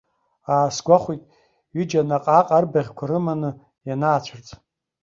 Аасгәахәит, ҩыџьа наҟ-ааҟ арбаӷьқәа рыманы ианаацәырҵ.